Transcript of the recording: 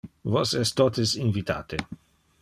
Vos es tote invitate.